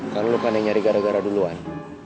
kan lo pandai nyari gara gara duluan